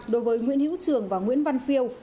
đối với nguyễn hữu trường và nguyễn văn phiêu